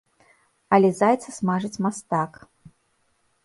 Але зайца смажыць мастак!